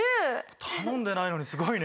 頼んでないのにすごいね！